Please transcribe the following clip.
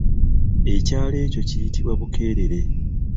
Ekyalo ekyo kiyitibwa Bukeerere.